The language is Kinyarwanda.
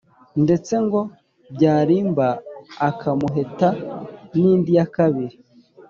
ndetse ngo byarimba akamuheta n' indi ya kabiri.